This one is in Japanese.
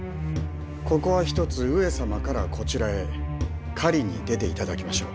ここはひとつ上様からこちらへ狩りに出て頂きましょう。